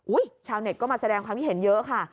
ชาวเน็ตก็มาแสดงความคิดเห็นเยอะค่ะ